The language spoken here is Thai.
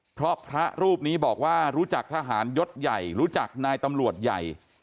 เพราะพระรูปนี้บอกว่ารู้จักทหารยศใหญ่รู้จักนายตำรวจใหญ่